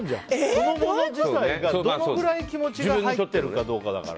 その物自体が、どのくらい気持ちが入ってるかどうかだから。